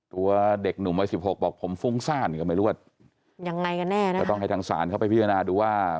ตัวเด็กหนุ่มวัย๑๖บอกผมฟุ้งซ่านอย่างไรกันแน่ต้องให้ทางศาลเข้าไปพิจารณาดูว่า